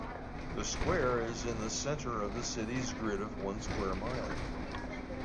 The square is in the centre of the city's grid of one square mile.